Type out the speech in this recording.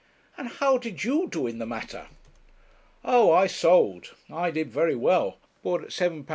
'And how did you do in the matter?' 'Oh, I sold. I did very well bought at £7 2s.